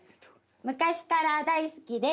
昔から大好きです」